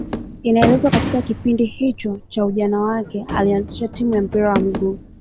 Inaelezwa katika kipindi hicho cha ujana wake alianzisha timu ya mpira wa miguu